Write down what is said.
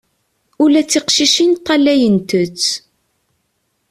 Ula d tiqcicin ṭṭalayent-tt.